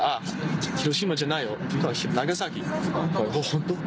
「ホント？」